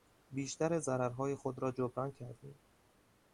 بیشتر ضررهای خود را جبران کردیم.